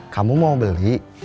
kamu mau beli